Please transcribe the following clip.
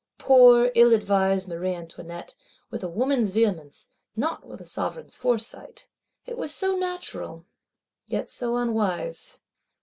Poor ill advised Marie Antoinette; with a woman's vehemence, not with a sovereign's foresight! It was so natural, yet so unwise.